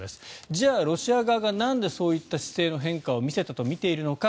じゃあ、ロシア側がなんで、そういった姿勢の変化を見せたとみているのか。